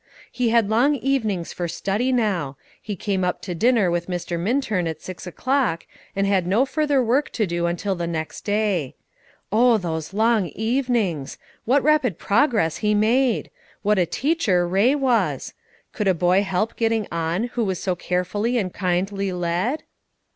He had long evenings for study now; he came up to dinner with Mr. Minturn at six o'clock, and had no further work to do until the next day. Oh, those long evenings! What rapid progress he made! what a teacher Ray was! Could a boy help getting on who was so carefully and kindly led?